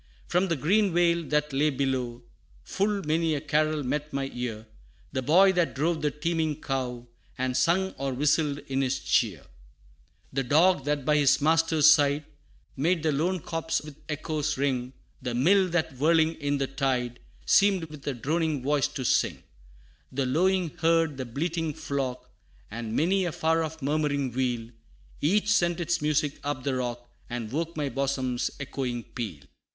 From the green vale that lay below. Full many a carol met my ear; The boy that drove the teeming cow. And sung or whistled in his cheer; The dog that by his master's side, Made the lone copse with echoes ring: The mill that whirling in the tide, Seemed with a droning voice to sing; The lowing herd, the bleating flock, And many a far off murmuring wheel: Each sent its music up the rock, And woke my bosom's echoing peal.